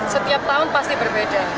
setiap tahun pasti berbeda